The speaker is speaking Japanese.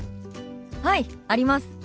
はいあります。